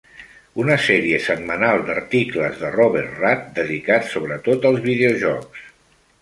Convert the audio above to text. Una sèrie setmanal d'articles de Robert Rath dedicats sobretot als videojocs.